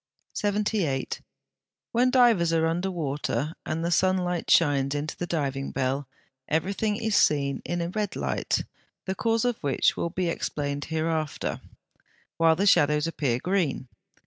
78. When divers are under water, and the sunlight shines into the diving bell, everything is seen in a red light (the cause of which will be explained hereafter), while the shadows appear green.